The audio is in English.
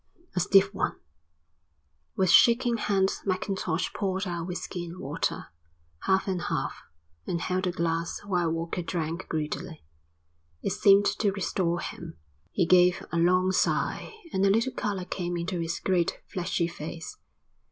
"A stiff one." With shaking hand Mackintosh poured out whisky and water, half and half, and held the glass while Walker drank greedily. It seemed to restore him. He gave a long sigh and a little colour came into his great fleshy face.